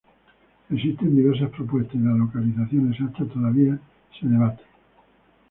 Existen diversas propuestas y la localización exacta todavía es debatida.